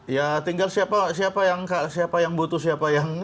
ya tinggal siapa yang butuh siapa yang